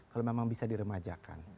kalau memang bisa diremajakan